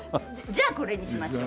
じゃあこれにしましょう。